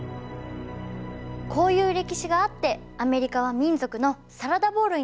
こういう歴史があってアメリカは民族のサラダボウルになったわけですね。